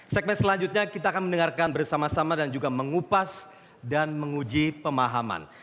segmen selanjutnya kita akan mendengarkan bersama sama dan juga mengupas dan menguji pemahaman